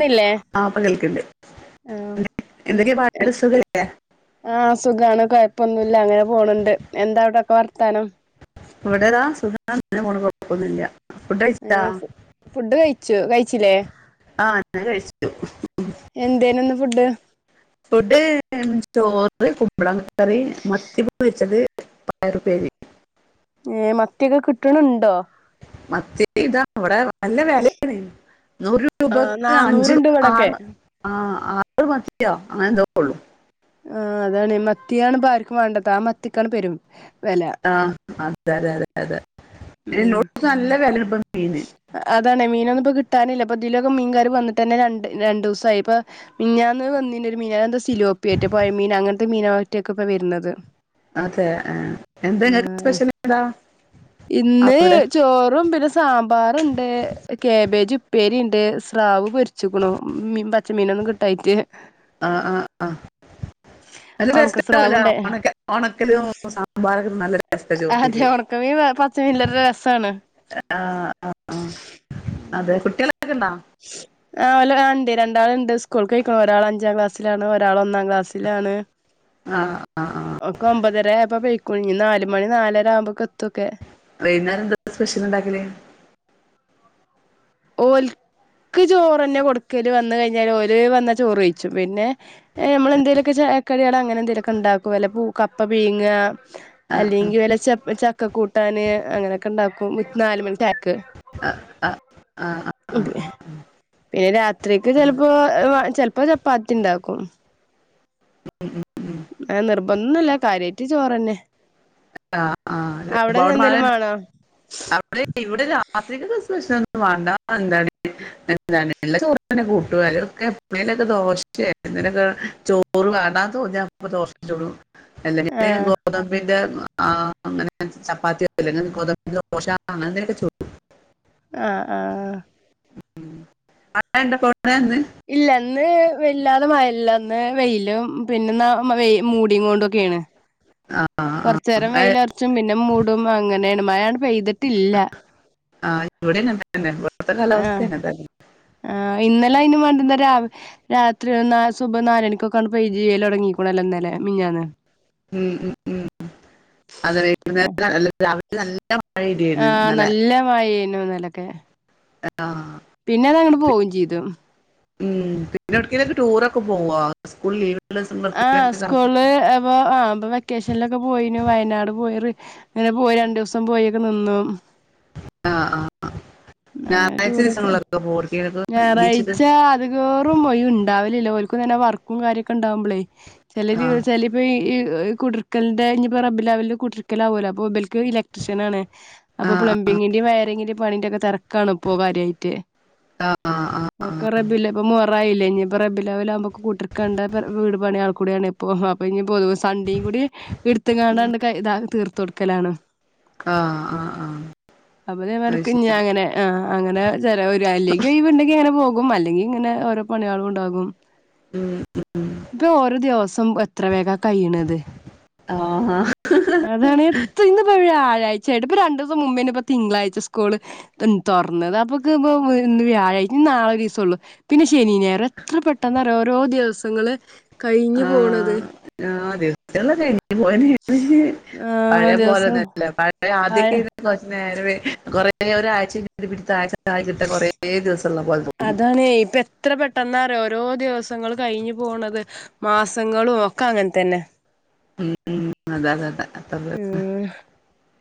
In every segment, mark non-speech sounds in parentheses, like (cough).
ന്നില്ലേ ആ പ്പോ കേൾക്കണ്ട് ആഹ് എന്തൊക്കെയ പാട് സുഖല്ലേ ആ സുഖാണ് കൊഴപ്പൊന്നുല്ല അങ്ങനെ പോണണ്ട് എന്താ അവിടെക്കെ വർത്താനം ഇവിടെ താ സുഖാണ് കൊഴപ്പുന്നില്ല ഏഹ്‌ ഫുഡ് കഴിച്ചു കഴിച്ചില്ലേ ആ ഞാൻ കഴിച്ചു എന്തേനുന്ന് ഫുഡ് ഫുഡ് ചോറ് കുമ്പളം കറി മത്തിപൊരിച്ചത് പയറുപ്പേരി ഏഹ്‌ മത്തിയൊക്കെ കിട്ട്ണ്ണ്ടോ മത്തി ഇതാ അവിടെ നല്ല വിലയാണ് നൂറ് ആഹ് രൂപക്ക് അഞ്ച് നാന്നൂറുണ്ട് ഇവിടൊക്കെ ആറ് ആ ആറ് മത്തിയോ അങ്ങനെ എന്തോക്കള്ളൂ ആ അതാണ് മത്തിയാണ് ആർക്കും വേണ്ടത് ആ മത്തിക്കാണ് പെരും വില ആഹ് അതെതെ അതെ. ഉം എല്ലോടത്തും നല്ല വെല ഇപ്പോ മീനിന്. അതാണ് മീനൊന്നും ഇപ്പോ കിട്ടാനില്ല. ഇപ്പൊ ഇതിലൊക്കെ മീൻകാര് വന്നിട്ട തന്നെ രണ്ട് രണ്ടുസ്സായി. ഇപ്പൊ മീനിഞ്ഞാന്ന് വന്നിന് ഒരു മീന. അത് എന്താ സിലോപ്പിറ്റെ, അത് പൊഴ മീനാ അങ്ങനത്തെ മീനാട്ടൊക്കെ ഇപ്പ വരുന്നത്. അതെ ഏഹ് എന്തങ്ങക്ക് ആഹ് സ്പെഷ്യൽ എന്താ, ഇന്ന് അവിടെ? ചോറും പിന്നെ സാമ്പാറുണ്ട്, കാബേജ് ഉപ്പേരി ഉണ്ട്, സ്രാവ് പൊരിച്ചിക്കണു. മി പച്ചമീനൊന്നും കിട്ട ടൈറ്റ് ആഹ് ആ ആ. നല്ല ടെസ്റ്റ് ഉണ്ടാവൂല ഉണക്കസ്രാവുണ്ടേ ഒണക്കെ, ഒണക്കലും സാമ്പാറും നല്ല ര അതെ ഉണക്കമീ പച്ച മീനി (unintelligible) രസാണ്. ആ ആഹ്‌ ആ അതെ കുട്ടികളൊക്കെ ഉണ്ടോ? ആ (unintelligible) ണ്ട് രണ്ടാളുണ്ട്. സ്കൂൾക്കോയികാണ്. ഒരാൾ അഞ്ചാം ക്ലാസ്സിലാണ് ഒരാൾ ഒന്നാം ക്ലാസ്. ട്ടിലാണ്. ആ ആ ആ ഒക്ക ഒമ്പതരായപ്പൊ പൊയ്ക്കണ്. ഇനി നാല് മണി നാലര ആവുമ്പോക്ക എത്തൊക്കെ. വൈകുന്നേം എന്താ സ്പെഷ്യൽ ഉണ്ടാക്കല്? ഓല്ക്ക് ചോറ്ന്നെ കൊടുക്കല്. വന്ന കഴിഞ്ഞാല്, ഓൽ വന്ന ചോറ് കഴിച്ചു. പിന്നെ, ഏ നമ്മെന്തേലൊക്കെ ചായകടി അങ്ങനെ എന്തേലൊക്കെ ഉണ്ടാക്കും. അല്ല പൂ കപ്പ പീങ്ങ, ആ അല്ലെങ്കി വല്ല ചപ് ചക്ക കൂട്ടാന് അങ്ങനെയൊക്കെ ഉണ്ടാക്കും നാല മണി ചായക്ക്. ആഹ്‌ അതെ. പിന്നെ രാത്രിക്ക് ആ, ചിലപ്പോ ഏഹ് ചെലപ്പോ ചപ്പാത്തി ഉണ്ടാക്കും. ഉം. നിർബന്ധുല്ല കാര്യായിട്ട് ചോറ്ന്നെ. ആഹ് ആ അപ്പ അവിടെ മഴെ എന്തേലും വേണോ അവിടെ ഇവിടെ രാത്രിൽ സ്പെഷ്യൽ ഒന്നും വേണ്ട എന്താ (unintelligible) എന്തണ് ഇള്ള ചോറനെ കൂട്ടും. അതൊക്കെ എപ്പളെലൊക്കെ ദോശയൊക്കെ എന്തെലൊക്ക ചോ റ് വേണ്ടാന്ന് തോന്നിയ അപ്പൊ ദോശ ചുടും. അല്ലെങ്കില് ആഹ് ഗോതമ്പിന്റെ ആ അങ്ങനെ, ചപ്പാത്തിയോ അല്ലങ്കി ഗോദബിന്റെ ദോശ, അങ്ങനെ എന്തെലൊക്കെ ചുടും. ആഹ് ആ. ഉം. മഴ ഇണ്ടോ ഇപ്പോ അവിടെ ഇന്ന്? ഇല്ല ന്ന് വല്ലാതെ മയല്ലന്ന് വെയിലും, പിന്നെ ന വെ മൂടികൊണ്ടൊക്കെ ഏണ്. (inaudible) ആ കൊറചേരം ആ, വെയില അറച്ചും പിന്നെ മൂടും അങ്ങനെണ്. മഴ അങ്ങനെ പെയ്തിട്ടില്ല. ആ ഇവിടെ അങ്ങനെതന്നെ. ഇവിടുത്തെ കാലാവസ്ഥ അങ്ങനെ തന്നെ. ആ ഇന്നലെ അയിനും വേണ്ടുന്ന രാവിലെ രാത്രി ന്ന സുബ നാലണിക്കൊക്കെ ങ്ങട് പെയ്യല് തൊടങ്ങീകോണല്ലോന്നലെ മിനിയാന്ന്. ഉം ഉം ഉം. അതെ വൈകുന്നേരം (unintelligible) രാവിലെ നല്ല മഴ ഇടിയാണ് ആ ഇന്നലെ നല്ല മഴെണു ഇന്നലൊക്കെ. ആഹ്. പിന്നെ തങ്ങട് പോവു ചെയ്തു. ഉം പിന്നെ എവിടെകിലക്ക് ടൂറൊക്കെ പോവാ? സ്കൂൾ ലീവ് ആഹ് സ്കൂള് അപ്പോ ആ ഇപ്പൊ വെക്കേഷനിലൊക്കെ പോയിനു, വയനാട് പോയി, അങ്ങനെ പോയി രണ്ടു ദിവസം പോയിക്കെ നിന്നു. ആഹ് ആ ആ. അങ്ങനെ ഞായറാഴ്ച ടൂറൊക്ക. ദിവസങ്ങളിലൊക്കെ പോവുകയൊക്കെ ബീച്ചിൽ ഞായറാഴ്ച അതി (unintelligible) വഴി ഉണ്ടാവലില്ല. ഓൽക്കും നല്ല വർക്കും കാര്യക്ക ഉണ്ടാവുമ്പോളേ, ചേല ആഹ് (unintelligible) വെച്ചാല് ഇപ്പൊ ഈ കുടർക്കലിന്റെ ഇപ്പോ റബിലാവല് കുടർക്കലാവലോ അപ്പൊ ബേ ഇക്ക ഇലക്ട്രീഷ്യൻ ആണ്. അപ്പൊ ആഹ് പ്ലംബിങ്ങിന്റെയും വയറിങ്ങിന്റെയും പണിന്റെ ഒക്കെ തിരക്കാ ഇപ്പോ കാര്യയിട്ട്. ആഹ് ആ. മ്മക്ക് റബിലബ്ബ് മോഹറായിലെ ഇനി ഇപ്പ റബിലബ്ബ് ലാകുമ്പോ, (unintelligible) കണ്ട പ വീട് പണിയ ആൾ കൂടിയാണ്. അപ്പൊ അപ്പൊ ഇനി പൊതുവ സൺ‌ഡേ കൂടി എടുത്ത് കാണാണ്ട് ഇതാ തീർത്ത് കൊടുക്കലാണ്. ക്കാ അഹ് (unintelligible) വർക്ക് ഞാ അങ്ങനെ ആഹ് അങ്ങനെ ചെലവര് അല്ലെങ്കി ഒലിവ്ണ്ടെങ്കി അങ്ങനെ പോവും. കും അല്ലെങ്കി ങ്ങനെ ഓരോ പണി ഓളുംണ്ടാകും ഹ്മ്മ് ഉം പ്പൊ ഓരോ ദിവസം എത്ര വേഗാ കയ്യിണത്. അഹ് അതാണ്. ത്ത് ഇന്ന്പ്പൊ വ്യാഴ്ചയായിട്ട് പ്പൊ രണ്ടോസം മുമ്പേന് പ്പ തിങ്കളാഴ്ച സ്കൂള് ത്തൻ തൊർന്നത്. അപ്പൊക്ക് പ്പൊ ഇന്ന് വ്യാഴാഴ്ച ഞ്ഞ് നാളെ ഒരിസൊ ള്ള് പിന്നെ ശനി, ഞായറും. എത്ര പെട്ടെന്നാറിയൊ ഓരോ ദിവസങ്ങള് കഴിഞ്ഞ് പോണത്. ആഹ് ആഹ് ദിവ (unintelligible) ആ ദിവസം പഴേപോലെന്നെല്ലെ. പഴേ പഴ ആദ്യോക്കെ കൊർച്ച് നേരവെ കൊറേ ഒരാഴ്ച കിട്ടിട്ട് പിന്നെത്ത ആഴ്ച്ചായികിട്ടാൻ കൊറേ ദിവസള്ള പോലെ തോന്നും. അണേയ് പ്പെ ത്ര പെട്ടെന്നാറിയൊ ഓരോ ദിവസങ്ങൾ കഴിഞ്ഞ് പോണത്. മാസങ്ങളു ഒക്കെ അങ്ങൻതെന്നെ. ഉം ഉം അതെ തെ തെ അത്രേ (unintelligible) ഉം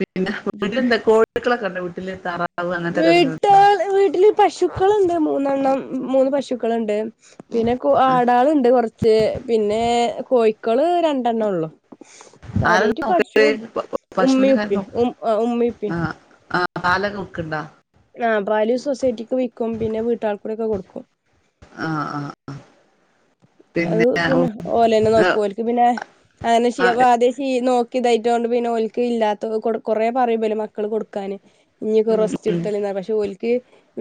പിന്നെ വീട്ടിലെന്താ കോഴ കോയിക്ക ളൊക്കണ്ടൊ വീട്ടില് താറ വ്ട്ടാല് വീട്ട്ല് പശുക്കള്ണ്ട് മൂന്നെണ്ണം. മൂന്ന് പശുക്കള്ണ്ട്. പിന്നെ കോ ആഹ് ആടാ ള്ണ്ട് കൊർച്ച് ത്ത്. പിന്നേ കോഴിക്കള് രണ്ടെണ്ണോ ള്ളു. ആരാ കാര്യായിട്ട് പശു നോക്കല് ഉമ്മിം, പശുവിനൊക്കെ ആരാ ഉപ്പിം നോക്ക ഉമ് ആഹ് ഉമ്മിം, ഉപ്പിം ആഹ് പാലൊക്കെ വ്ക്ക്ണ്ടാ? അഹ് പാല് സൊസൈറ്റിക്ക് വിക്കും. പിന്നെ വീട്ടാൾകൂടെക്കെ കൊട്ക്കും. അഹ് അഹ് അഹ് അഹ് പിന്നെ ഓലെന്നെ നോക്കൂ. ഓൽക്ക് പിന്നെ ആന്നെ ചെയ്യാ ആഹ് ആ ദ്യേ (unintelligible) ക്ക് ഇതായിട്ടോണ്ട് പിന്നെ ഓൽക്ക് ഇല്ലാത്തൊ കൊട് കൊറെേ പറയുബല് മക്കള് കൊട്ക്കാന് ഞ്ഞ്പോ ഉം റെസ്റ്റ് ഉം (unintelligible) പക്ഷെ ഓൽക്ക്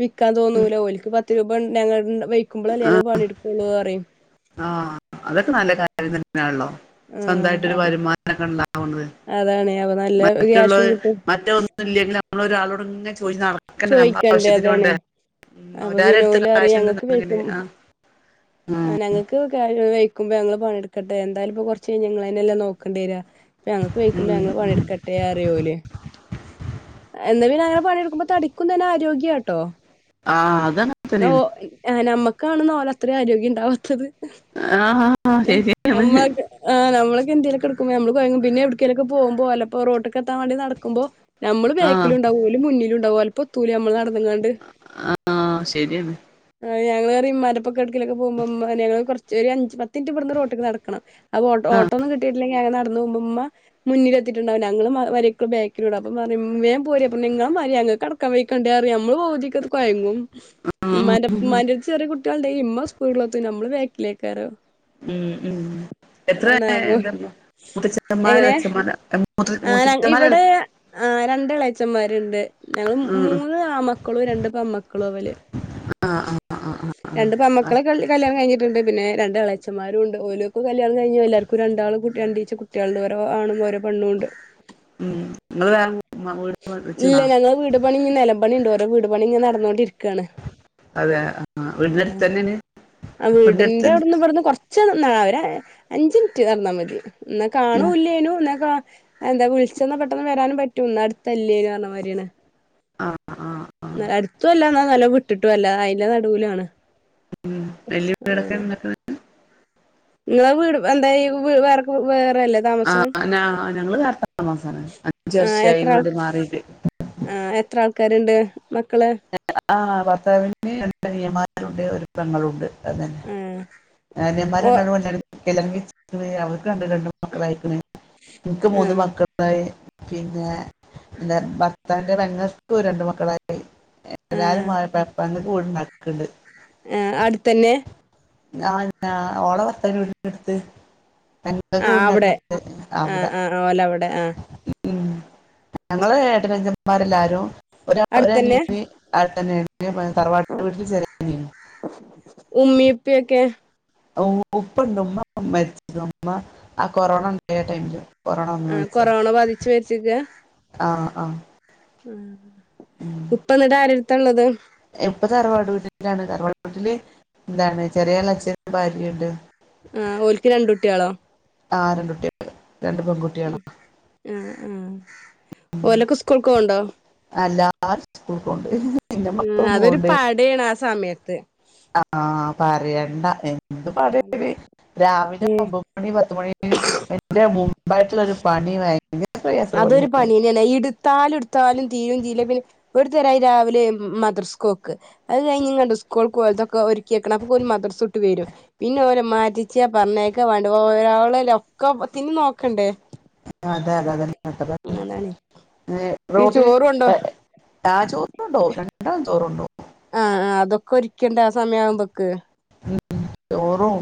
വിക്കാ തോന്നൂല. ഓൽക്ക് പത്ത് രൂപ ൺ ഞങ്ങ ണ്ട വെയ്- ക്കുമ്പളെല്ലെ ഞങ്ങള് പണിട് ക്കൊള്ളോറിം. അഹ്. അതൊക്കെ നല്ല കാര്യം തന്നേൺല്ലോ. സ്വന്തായിട്ട് ഒരു വരുമാനൊക്കെ ണ്ടാവണത്. അതാണേ അ (unintelligible) മറ്റ്ള്ളോല്. മറ്റൊന്നും ഇല്ലെങ്കില് നമ്മളൊരാളോട് ങ്ങനെ ചോയിച്ച് നടക്ക ക്കന്നെല്ലെ അമ്മളെ ചോയിക്കണ്ടേ ആവശ്യത്തിന് അതാണ് വേണ്ടേ. ഉം അപ്പൊ പിന്നെ അവലാലെട്ത്ത് (unintelligible) ഓല് പറയും ആവിശ്യന്ന്ണ്ടെങ്കില് അഹ് (unintelligible) ക്ക് കാ വെയ്ക്കുമ്പ ഞങ്ങള് പണിട്ക്കട്ടെ. എന്തായാലും ഇപ്പൊ കൊർച്ചെയ്ഞ്ഞാ ങ്ങളെന്നെല്ലെ നോക്കണ്ട്യ രാ പ്പൊ യങ്ങക്ക് വെയ്ക്കുമ്പ ഉം ഞങ്ങള് ഉം പണിട്ക്കെ ട്ടേറിയോല്. എന്ന പിന്നെഅങ്ങനെ പണിട്ക്കുമ്പ തടി ക്കുംതന്നെ ആരോഗ്യാട്ടോ. ആഹ് അതങ്ങനെ ന്ന ഓ തന്നെയാണ് ഏഹ് നമ്മക്കാണ് ന്നാ ഒലത്രിം ആരോഗ്യം ണ്ടാവാത്തത്. ആഹ് ആഹ് ശരിയാണ് നമ്മളെക്കെ അഹ് നമ്മളൊകെ എന്തേലൊക്കെ ട്ക്കുമ്പൊ അമ്മള് കൊയങ്ങും. പിന്നെ എവ്ട്ക്കേലോക്കെ പോകമ്പോ അല്ലപ്പോ റോട്ട്ക്കെത്താ വേണ്ടി നട്ക്കുമ്പൊ നമ്മള് ആഹ് ബേക്ക്ലുണ്ടാവും ഓല് മുന്നിലുണ്ടാവും ഓൽപ്പത്തൂലമ്മള് നടന്ന്ങ്ങാണ്ട്. ആഹ് ശരിയാണ് ആഹ് ഞങ്ങളേറിം‌ മ്മാൻ്റെപ്പൊക്കെ എട്ക്കേലൊക്കെ പോവ്മ്പം മ്മാനെ ഞങ്ങള് കൊർച്ച് ഒര് അഞ്ച്, പത്തിൻറ്റ് വട്ന്ന് റോട്ട്ക്ക് നട്ക്കണം. അപ്പൊ ഓട്ടോ ആഹ് ഓട്ടോന്നും കിട്ടിട്ട്ല്ലെങ്കി ഞങ്ങനടന്ന് പോവ്മ്പം മ്മ മുന്നിലെത്തിട്ട്ണ്ടാവും. ഞങ്ങള് മ വരിക്കെള് ബേക്കിലുണ്ടാവും. അപ്പൊ മ്മാറിയും വേം പോരി അപ്പം നിങ്ങളെ മ്മാരി ഞങ്ങക്കട് (unintelligible) കണ്ടേറിയും. അമ്മള് പൗതിക്കത്ത് കൊയങ്ങും. ആഹ് ഇമ്മാന്റെ പ് ഉം ഇമ്മാന്റെട്ത്ത് ചെറിയ കു കുട്യേൾ ണ്ടെയി ഇമ്മ സ്‌പീട്‌ലെത്തും. ഞമ്മള് ക്കേക്കിലേക്കാരോ. ഉം ഉം എത്ര അതാണ് അപ്പൊ എന്താ മൂത്തച്ഛന്മാരോ എങ്ങനേ? (unintelligible) ആഹ്. ഞങ്ങ മൂത്തച്ഛന്മാരോ ഇവടേ ആഹ് രണ്ട് എളേച്ചമ്മാര്ണ്ട്. ഞങ്ങള് മു മൂന്ന് ഉം മൂന്ന് ആമക്കളും രണ്ട് പെമ്മക്കളാ വല്. ആഹ് ആഹ് ആഹ് രണ്ട് ആഹ് പെമ്മക്കളെ കല്യാ കല്ല്യാണം കഴിഞ്ഞിട്ട്ണ്ട്. പിന്നെ രണ്ട് എളേച്ചമ്മാരുണ്ട്. ഓല്ക്കു കല്യാണം കഴ്ഞ്ഞ് എല്ലാർക്കു ക്കു രണ്ടാള്ക്കു കുട്ടി രണ്ടീ ച്ചെകുട്ട്യാ ൾണ്ട്. ഓരോ ആണും ഓരോ പെണ്ണുംണ്ട്. ഉം നിങ്ങള് വേ ഇല്ല ഞങ്ങള് വീട് പണി ഇ നിലമ്പണി ഉണ്ട് ഓരോ വീട് പണി ഇങ്ങെ നടന്നുകോണ്ടിരിക്കുവാണ് അതെ ആഹ് വീടിന്റെ ഉം അടുത്ത് തന്നെയാണ് ആഹ് അടുത്ത് വീടിന്റെ തന്നെ അവിടെന്ന് കൊറ ഉച്ചന്നാ അവരെ അഞ്ച് മിനിറ്റ് നടന്നാൽ മതി എന്ന കാണൂ ഉം ഇല്ലേനു എന്നാ കാ എന്താ വിളിച്ചന്ന പെട്ടെന്ന് വരാനും പറ്റുംന്ന് അടുത്തല്ലേ ന്നാരമാതിരിയാണ് ആഹ് ആഹ് ആഹ് അടുത്തു അല്ല എന്നാ നല്ല വിട്ടിട്ടും അല്ല അതിന്റെ നടുലാണ് ഉം വല്യ വീടക്കേ ഉണ്ടാക്കണേ നിങ്ങളെ വീട് എന്താ വേറെക്ക വേറെല്ല ആഹ് ഞങ്ങള് വേറെ താമസാണ് അഞ്ച് വർഷായി വീട് മാറീട്ട് ആഹ് എത്ര ആൾക്കാര്ണ്ട് മക്കള് ആഹ് ഭർത്താവിന് രണ്ട് അനിയൻമാരുണ്ട് ഒരു പെങ്ങളുണ്ട് അതന്നെ ആ കാര്യൻമാര് ഓ രണ്ടാ (unintelligible) മക്കളായിക്കണ് എനിക്ക് ആ മൂന്ന് മക്കളായി പിന്നെ എന്താ ഭ ഭർത്താവിന്റെ പെങ്ങൾക്കും രണ്ട് മക്കളായി ആ എല്ലാരും പെങ്ങക്ക് വീട് ഉണ്ടാക്ക്ണ്ട് ആഹ് അട്ത്തന്നെ ആഹ് എന്താ ഓള ഭർത്താവിന്റെ വീടിന്റെ അടുത്ത് ആ അവിടെ (unintelligible) ആ അവിടെ ആ ഓല അവിടെ ആ ഉം ഞങ്ങള ഏട്ടനഅനുജൻന്മാരെല്ലാരും ഒരു അടുത്തന്നെ അനിയത്തി അവിടെ തന്നെണ് തറവാട്ട് വീട്ടിൽ ചെറിയ അനിയനാ ഉമ്മിപ്പിയക്കെ ഉപ്പ ഉണ്ട് ഉമ്മ മരിച്ച്ക്ക്ണ് ആ കൊറോണ ഉണ്ടായ ടൈമില് കൊറണ വന്ന് ആ മരിച്ച കൊറോണ ബാധിച്ചു മരിച്ചിക്ക ആഹ് ആഹ് ഉപ്പ ഇന്നട്ട് ആരടുത്താള്ളത് ഇപ്പൊ തറവാട് വീട്ടിലാണ് തറവാട് വീട്ടില് എന്താണ് ചെറിയ എളേച്ഛനും ഭാര്യണ്ട് ആഹ് ഓല്ക്ക് രണ്ട് കുട്ട്യളോ ആഹ് രണ്ട് കുട്ട്യാള് രണ്ട് പെൺകുട്ട്യാളാ ആഹ് ആഹ് ഓലക്കെ സ്കൂൾ ക്ക് പോകുണ്ടോ എല്ലാര് സ്കൂൾക്ക് പോണ്ട് പിന്നെ മക്കളും അതൊരു പോണ്ട് (unintelligible) ആ സമയത്ത് ആഹ് പറയണ്ട എന്ത് പട രാവിലെ ഒമ്പത് ഉം ഒമ്പത്മണി പത്തുമണി ന്റെ മുമ്പായിട്ടുള്ളൊരുപണി ഭ അതൊരു പണി തന്നെയാണ് പിന്നെ എടുത്താലും ഇട്ത്താല്ഇട്ത്താലും തീരുംതീരില്ല പിന്നെ ഒരു തരായി രാവിലെ മദ്രസക്കോക്ക് അത് കഴിഞ്ഞ് ഇങ്ങട് സ്കൂൾ ക്ക് ഓലതക്കെ ഒരുക്കിക്കണം അപ്പോക്ക് ഒരു മദ്രസ വിട്ട് വരും പിന്നെ ഓല മാറ്റിച്ച പറഞ്ഞയക്ക വ വാണ്ട് പോ ഒരാള്ല്ല ഒക്കെ ത്തിന് നോക്കണ്ടേ അതെ അതെ അതാണ് പിന്നെ ചോറ് കൊണ്ടോ (unintelligible) ആ ചോറ്ണ്ടോകും രണ്ടാളും ചോറ്ണ്ടോകും ആഹ് ആഹ് അതൊക്കെ ഒരിക്കണ്ടേ ആ സമയാവുമ്പൊക്ക് ഉം ചോറും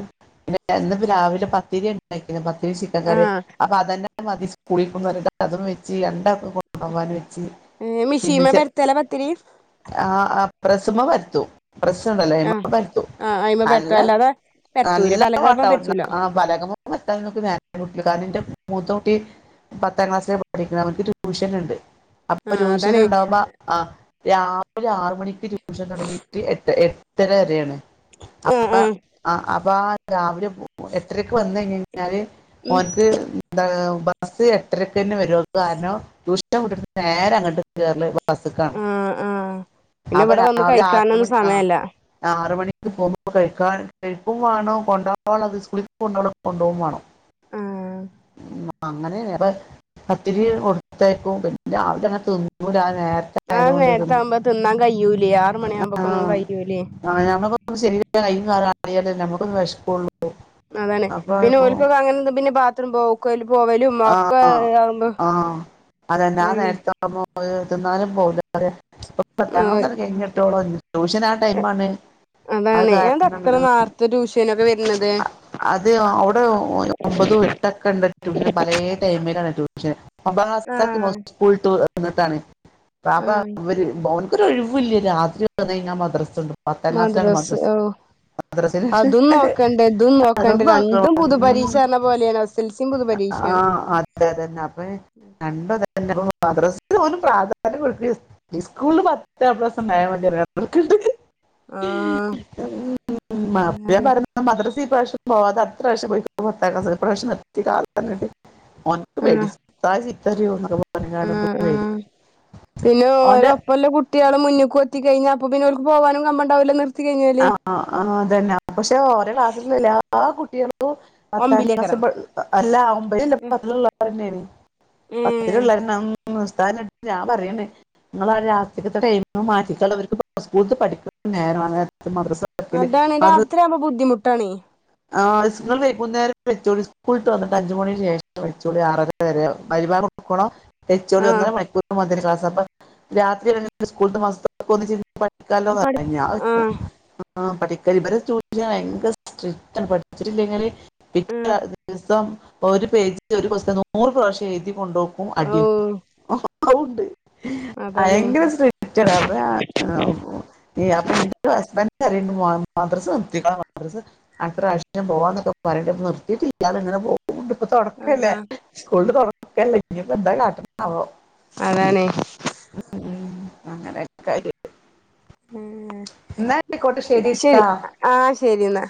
പിന്നെ ഇന്ന്പ്പം രാവിലെ പത്തിരി ഇണ്ടാക്കിണ് പ തിരി ചിക്കൻ കറി ആഹ് അപ്പ അതന്നെ അത് മതി സ്കൂളിക്ക് പറഞ്ഞിട്ട് അതും വെച്ച് രണ്ടാക്കും കൊണ്ടോവാന് വെച്ച് ഏ മിഷീമല് പര്ത്തലാ പത്തിരി ആഹ് അഹ് പ്രസ്സ്മല് പര്ത്തും പ്രസ്സ്ണ്ടല്ലോ ആഹ് അയ്മല് പര്ത്തും ആഹ് അയിമെ നല്ല പരത്തും അല്ലാതെ പരത്തൂല നല്ല പലകമ്മെ പാട്ടാടുന്ന പരത്തൂല ആഹ് പലകമ പരത്താന്നൊന്നും ഇത് നേരം കിട്ടൂലാ കാരണം എന്റെ മൂത്തക്കുട്ടി പത്താം ക്ലാസ്സിലാ പഠിക്കുന്നെ അവൻക്ക് ട്യൂഷനുണ്ട് അപ്പോ ആഹ് അതാണ് ട്യൂഷന്ണ്ടാവുമ്പോ ആഹ് രാവിലെ ആറ് മണിക്ക് ട്യൂഷൻ തെടങ്ങീട്ട് എട്ട് എ എട്ടര വരെയാണ് ആഹ് അപ്പ ആഹ് ആ അപ്പ രാവിലെ എട്ടരക്ക് വന്നയ്ഞ്ഞയ്ഞ്ഞാല് ഉം ഓർക്ക് മ്മ് എന്താ ബസ്സ് എട്ടരക്കന്നെ വെരെള്ളു. കാരണം, ട്യൂഷന് വിട്ടിട്ട് നേരെ അങ്ങട്ട് കേറല് ബസ്സ്ക്കാണ്. ആഹ് ആഹ് പിന്നെ അപ്പ ഇവിടെ വന്ന് രാവിലെ ആറ് കഴിക്കാനൊന്നും മണി ആഹ് സമയല്ല ആറ് മണി പോവുമ്പോ കഴിക്കാൻ കഴിക്കും വേണം കൊണ്ടോവാള്ളത് സ്കൂള്ക്ക് കൊണ്ടോണത് കൊണ്ടോവും വേണം. ആഹ് മ്മ് അങ്ങനെ ഏറെ പത്തിരി കൊട്ത്തയക്കും പിന്നെ രാവിലെ അങ്ങനെ തിന്നൂല. ആ നേരത്ത് ആഹ് നേരത്താവ്മ്പോ തിന്നാൻ കയ്യൂലേ ആറ് മണിയാവുമ്പോക്ക് ഒന്നും കയ്യൂലേ. ആഹ് നമ്മക്ക് ശെരി കയ്യും കാലും (unintelligible) നമ്മക്കും വെശപ്പ്ള്ളു അതണ് പിന്നെ ഓൽക്ക്കൊക്കെ അങ്ങനെന്ത പിന്നെ ബാത്റൂം പോക്കലു പോവലും ആ ഒക്കെ ഇതാവുമ്പോ. അതന്നെ. (unintelligible) തിന്നാനും പോവൂല ആടെ. ഇപ്പൊ പത്താം ആഹ് ക്ലാസൊക്കെ കഴിഞ്ഞിട്ട് ഓളെ ഒ ട്യൂഷനാ ടൈമാണ് അത് അതാണെ. അതെന്ത കാരണം അത്ര ആ നേരത്തെ ട്യൂഷനൊക്കെ വരുന്നത്? അത് അവ്ടെ ഒമ്പതും എട്ടൊക്കെണ്ട് ട്യൂഷന്, പലേ ടൈമിലാണ് ട്യൂ ഷൻ. ഒമ്പതാം ക്ലാസെക്കെ ആഹ് സ്കൂൾ വിട്ട് വന്ന്ട്ടാണ് പാപ്പ ആഹ് അവര് ഓല് ഒര് ഒഴിവുല്ല. രാത്രി വന്നഴിഞ്ഞാൽ മദ്രസണ്ട്. മദ്രസ് ഓഹ്. മദ്രസയില് അതും നോക്കണ്ടേ ഇതും നോക്കണ്ടേ. അതൊന്നും രണ്ടും ആക്കണം പൊതുപരീക്ഷന്ന പോലെയാണ്. എസ് എൽ സിം പൊതു ആഹ് അതെ അതെന്നെ. അപ്പെ രണ്ടു അതന്നെ. ഇപ്പൊ മദ്രസ് ഓലും പ്രാധാന്യം കൊട്ക്ക് സ്കൂളില് പത്ത് എ പ്ലസ് ഇണ്ടായാമതിയേനു. അത്രക്ക്ണ്ട്. ആഹ് മാപ്പളയും അതാണ് പറഞ്ഞ് മദ്രസ ഈ പ്രാവശ്യം പോവാതെ അട്ത്ത പ്രാവശ്യം പോയി. (unintelligible) ഇപ്രാവ്യശ്യം നിർത്തിക്കാളന്നിട്ട് ഓൻ ഇൻക്ക് പേടി ഉസ്താദ് ചീത്തറിയോന്ന്ള്ളത് ഉം ഉം. പിന്നെ ഓന്റെ ഓലൊപ്പൊല്ല കുട്ട് ട്ട്യോളും മുന്നുക്കെത്തിക്കഴിഞ്ഞാ അപ്പ പിന്നെ ഓൽക്ക് പോവാനും കമ്പണ്ടാവൂല നിർത്തിക്കഴിഞ്ഞാല്. അഹ് ആഹ് അതന്നെ. പക്ഷെ ഓരെ ക്ലാസ്സിലുള്ള എല്ലാ കുട്ട്യോളും പത്താം ക്ലാസ് ഒമ്പിലേക്കരം പ, അല്ല ഒമ്പേല് പത്തിലോരന്നേണ്. ഏഹ് പത്തില്ള്ളെന്നം ഉം ഉസ്താന്നടുത്ത് ഞാൻ പറയണ് നിങ്ങളെ രാത്രിക്കത്തെ ടൈമ് മാറ്റിക്കള. ഇവർക്ക് സ്കൂള്ത്തെ പഠിപ്പന്നെ നേര മദ്രസ തുറക്കല് അതാണ്, മദ്രസ രാത്രിയാവുമ്പ ബുദ്ധിമുട്ടാണെ. ആ നിങ്ങള് വൈകുന്നേരം വച്ചോളി സ്കൂള്ട്ട് വന്ന്ട്ട് അഞ്ച് മണിന്റെ ശേഷം വെച്ചോളി ആറര വരെ. മഗ്രിബ് ബാങ്ക് കൊടുക്കോളം വെച്ചോളി ആഹ് ഒന്നര മണിക്കൂർ മതി ക്ലാസ് അപ്പ രാത്രി സ്കൂള് തെ മദ്രസ്തെ ഒന്നിച്ച് പഠിക്കാല്ലോ പഠി പറഞ്ഞ്. ഞാൻ വിട്ട്. ആഹ് പഠിക്കൽ ഇവരെ ടൂഷൻ ഭയങ്കര സ്ട്രി ക്റ്റാണ്. പഠിച്ചിട്ടില്ലെങ്കില് ആഹ് പിറ്റേ ദിവസം ഒരു പേജ് ഒരു ക്വസ്റ്റ്യൻ നൂറ് പ്രാവശ്യം എഴുതി കൊണ്ട്പോകും ഓ അടിയും. ഓഹ് അതുണ്ട്. അതാണ് ഭയങ്കര സ്ട്രി റ്റണ്. അത് ഈഹ് ഉം അപ്പ ഇന്റെ ഹസ്ബന്റ് പറിയണ്ട് മദ്രസ നിർത്തിക്കോള മദ്രസ അടുത്ത പ്രാവശ്യം പോവാന്നൊക്കെ പറയണ്ട്. ഇപ്പ നിർത്തിയിട്ടില്ല ഇങ്ങനെ പോകുണ്ട്. ഇപ്പൊ തൊടക്കല്ലേ. ആഹ് സ്കൂള് തൊറക്കല്ലെ. ഇനി ഇപ്പൊ എന്താ കാട്ടണേ ആവോ. അതാണ്. ഊം അങ്ങനെക്കാര്യം. ഊം. എന്ന ആയിക്കോട്ട്. ശരിട്ടാ. ആഹ് ശരിന്നാ.